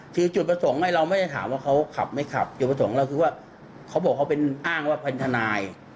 คือจุดประสงค์เราไม่ได้ถามว่าเขาขับไม่ขับจุดประสงค์เราคือว่าเขาบอกเขาเป็นอ้างว่าเป็นทนาย